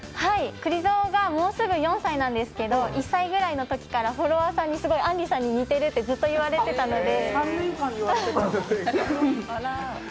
くり蔵がもうすぐ４歳なんですけど１歳ぐらいのときからフォロワーさんからすごいあんりさんに似てるってずっと言われてたんで。